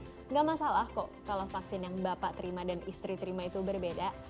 tidak masalah kok kalau vaksin yang bapak terima dan istri terima itu berbeda